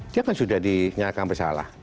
dia kan sudah dinyatakan bersalah